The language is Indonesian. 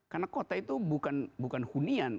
karena kota itu bukan hunian